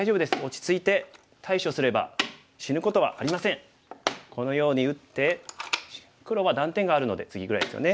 このように打って黒は断点があるのでツギぐらいですよね。